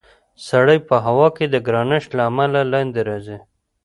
سړی په هوا کې د ګرانش له امله لاندې راځي.